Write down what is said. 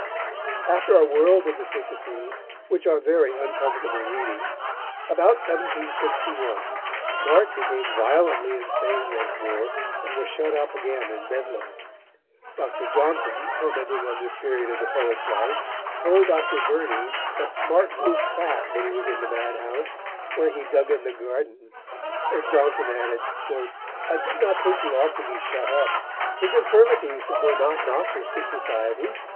After a world of vicissitudes, which are very uncomfortable reading, about 1761 Smart became violently insane once more and was shut up again in Bedlam. Dr. Johnson, commenting on this period of the poet's life, told Dr. Burney that Smart grew fat when he was in the madhouse, where he dug in the garden, and Johnson added: "I did not think he ought to be shut up. His infirmities were not noxious to society.